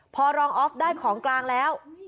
พอรองออฟได้ของกลางแล้ว